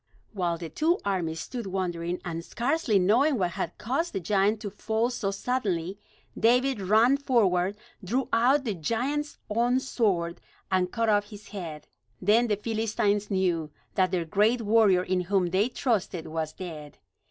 While the two armies stood wondering, and scarcely knowing what had caused the giant to fall so suddenly, David ran forward, drew out the giant's own sword, and cut off his head. Then the Philistines knew that their great warrior in whom they trusted was dead.